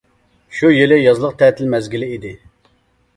شۇ يىلى يازلىق تەتىل مەزگىلى ئىدى.